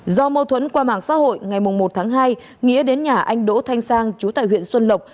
do mâu thuẫn qua mạng xã hội ngày một tháng hai nghĩa đến nhà anh đỗ thanh sang chú tại huyện xuân lộc